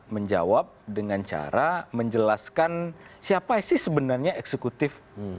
menjawab dengan cara menjelaskan siapa sih sebenarnya eksekutif